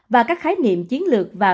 và các khái niệm chiến lược và